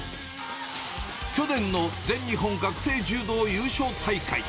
去年の全日本学生柔道優勝大会。